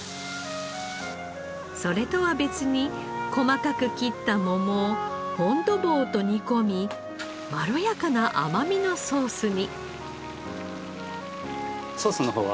それとは別に細かく切った桃をフォン・ド・ボーと煮込みまろやかな甘みのソースに。